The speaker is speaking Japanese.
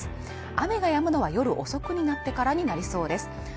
雨が止むのは夜遅くになってからになりそうです